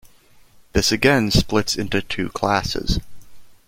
This again splits into two classes.